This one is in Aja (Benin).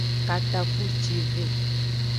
Katakpucive.